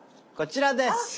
こちらです。